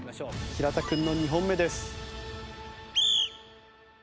平田君の２本目です。